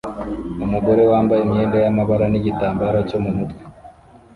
Umugore wambaye imyenda yamabara nigitambaro cyo mumutwe